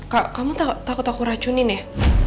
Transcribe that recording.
kak kamu takut aku racunin ya